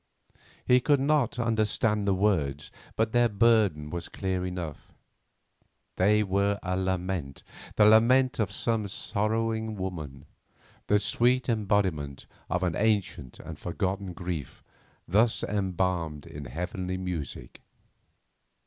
He could not understand the words, but their burden was clear enough; they were a lament, the lament of some sorrowing woman, the sweet embodiment of an ancient and forgotten grief thus embalmed in heavenly music.